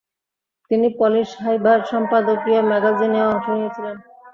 তিনি পলিস হাইভার সম্পাদকীয় ম্যাগাজিনেও অংশ নিয়েছিলেন।